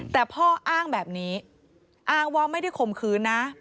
แต่พ่ออ้างแบบนี้อ้างว่าไม่ได้ข่มขืนนะ